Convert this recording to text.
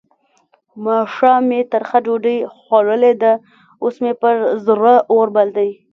ماښام مې ترخه ډوډۍ خوړلې ده؛ اوس مې پر زړه اور بل دی.